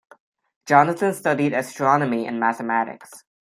Jonathan studied astronomy and mathematics.